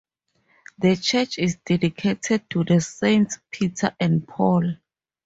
The church is dedicated to the Saints Peter and Paul.